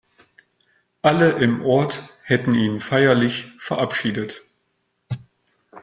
Alle im Ort hätten ihn feierlich verabschiedet.